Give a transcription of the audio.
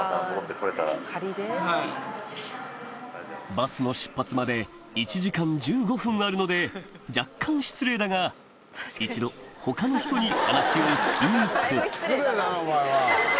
バスの出発まで１時間１５分あるので若干失礼だが話を聞きに行く１７？